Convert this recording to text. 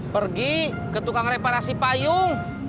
pergi ke tukang reparasi payung